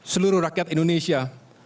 seluruh rakyat indonesia